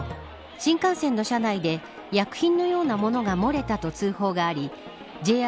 新幹線の車内で薬品のような物がもれたと通報がありＪＲ